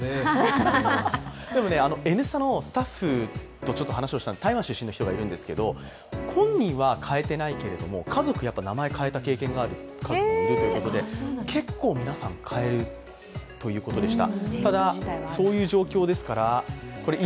でも、「Ｎスタ」のスタッフとちょっと話をしたら、台湾出身の人がいるんですけど、本人は変えてないけど家族は変えた経験のある人はいるみたいで結構皆さん、変えるということでした。